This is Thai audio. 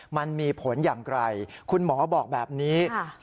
มันมีผลอย่างไกลคุณหมอบอกแบบนี้